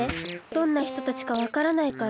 どんなひとたちかわからないから。